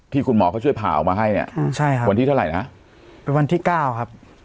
คุณหมอเขาช่วยผ่าออกมาให้เนี่ยใช่ค่ะวันที่เท่าไหร่นะเป็นวันที่เก้าครับ